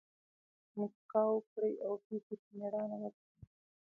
مسکا وکړئ! او پېښي په مېړانه وزغمئ!